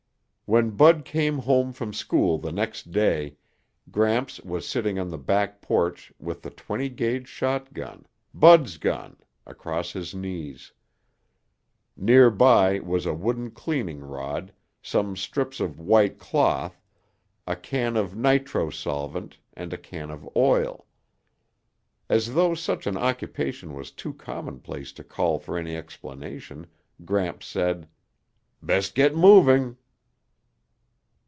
When Bud came home from school the next day, Gramps was sitting on the back porch with the twenty gauge shotgun, Bud's gun, across his knees. Nearby was a wooden cleaning rod, some strips of white cloth, a can of nitro solvent and a can of oil. As though such an occupation was too commonplace to call for any explanation, Gramps said, "Best get moving."